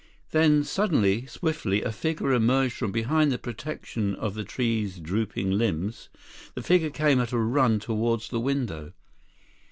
Then suddenly, swiftly, a figure emerged from behind the protection of the tree's drooping limbs. The figure came at a run toward the window.